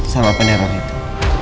sama peneror itu